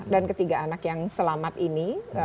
dan ketiga anak yang selamat ini